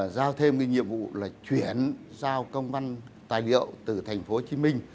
giao thêm nhiệm vụ là chuyển giao công an tài liệu từ thành phố hồ chí minh